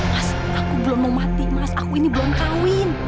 mas aku belum mau mati mas aku ini belum kawin